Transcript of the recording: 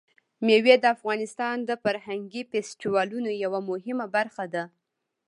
مېوې د افغانستان د فرهنګي فستیوالونو یوه مهمه برخه ده.